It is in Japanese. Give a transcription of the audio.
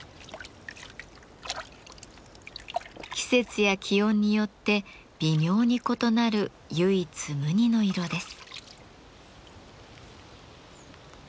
季節や気温によって微妙に異なる唯一無二の色です。